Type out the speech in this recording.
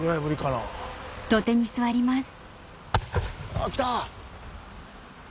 あっ来た！